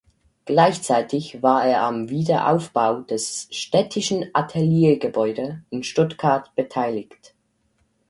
Gleichzeitig war er am Wiederaufbau des "Städtischen Ateliergebäude" in Stuttgart beteiligt.